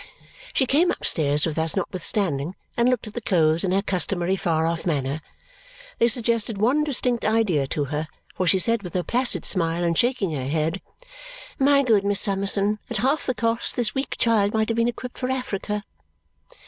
She came upstairs with us notwithstanding and looked at the clothes in her customary far off manner. They suggested one distinct idea to her, for she said with her placid smile, and shaking her head, "My good Miss Summerson, at half the cost, this weak child might have been equipped for Africa!"